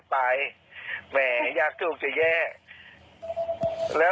อาจารย์ยังไม่เห็นวันนี้ภูมิันขึ้นกันเนี่ย